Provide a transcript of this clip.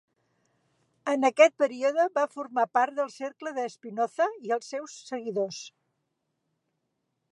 En aquest període va formar part del cercle de Spinoza i els seus seguidors.